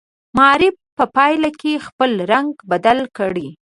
معرف په پایله کې خپل رنګ بدل کړي.